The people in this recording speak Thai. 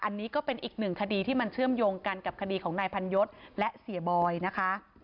อันนี้ก็เป็นอีกหนึ่งคดีที่มันเชื่อมโยงกันกับคดีของนายพันยศและเสียบอยนะคะ